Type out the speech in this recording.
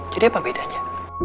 jadi apa bedanya